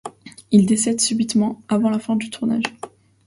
Il décède subitement avant la fin du tournage.